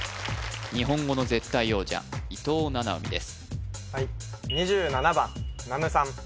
日本語の絶対王者伊藤七海です